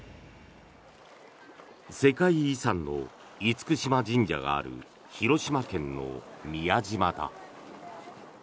世界遺産の厳島神社がある広島県の宮島だ。